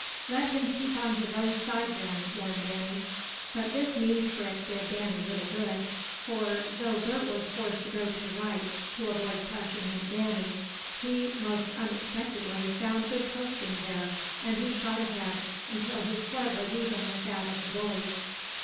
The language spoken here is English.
"Let him keep on his own side then," warned Danny. But this mean trick did Danny little good for, though Bert was forced to go to the right, to avoid crashing into Danny, he, most unexpectedly, found good coasting there, and he shot ahead until his sled was even with that of the bully's.